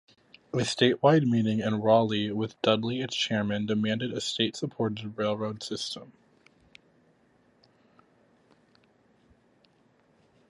A statewide meeting in Raleigh with Dudley its chairman demanded a state-supported railroad system.